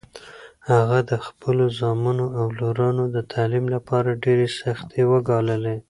هغه د خپلو زامنو او لورانو د تعلیم لپاره ډېرې سختۍ وګاللې.